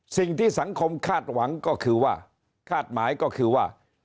สิ่งที่สังคมคาดหวังก็คือว่าคาดหมายก็คือว่า